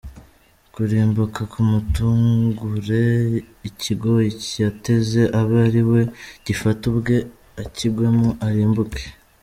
Kurimbuka kumutungure, Ikigoyi yateze abe ari we gifata ubwe, Akigwemo arimbuke.